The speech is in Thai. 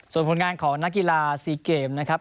ส่วนผลงานของนักกีฬาซีเกมนะครับ